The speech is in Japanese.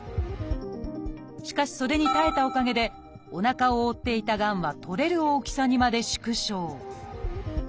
しかしそれに耐えたおかげでおなかを覆っていたがんは取れる大きさにまで縮小